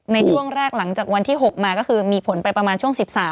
ในช่วงแรกหลังจากวันที่๖มาก็คือมีผลไปประมาณช่วง๑๓